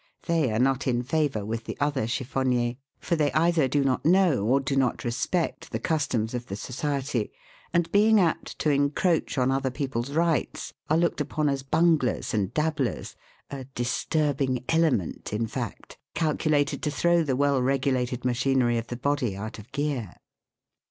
They are not in favour with the other chiffbnniers, * A franc is worth 9^d. of English money. 272 THE WORLD'S LUMBER ROOM. for they either do not know or do not respect the customs of the society, and being apt to encroach on other people's rights, are looked upon as bunglers and dabblers, a " dis turbing element," in fact, calculated to throw the well regulated machinery of the body out of gear.